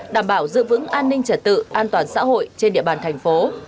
đảm bảo giữ vững an ninh trật tự an toàn xã hội trên địa bàn thành phố